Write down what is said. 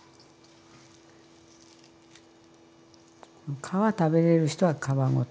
皮食べれる人は皮ごと。